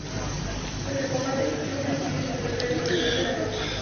Tras el combate, Jung recibió su primer premio de "Actuación de la Noche".